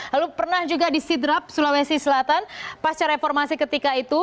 lalu pernah juga di sidrap sulawesi selatan pasca reformasi ketika itu